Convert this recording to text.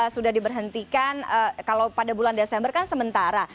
sudah diberhentikan kalau pada bulan desember kan sementara